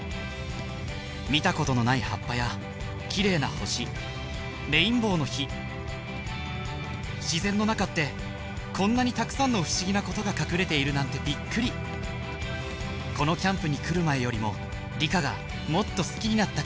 見たことのない葉っぱや綺麗な星レインボーの火自然の中ってこんなにたくさんの不思議なことが隠れているなんてびっくりこのキャンプに来る前よりも理科がもっと好きになった気がします